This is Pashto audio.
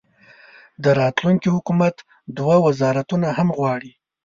د راتلونکي حکومت دوه وزارتونه هم غواړي.